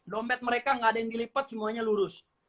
dompet mereka nggak ada yang dilipat semuanya lurus